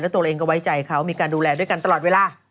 ตัวเองก็ไว้ใจเขามีการดูแลด้วยกันตลอดเวลา